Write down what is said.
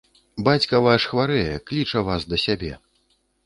Бацька ваш хварэе, кліча вас да сябе.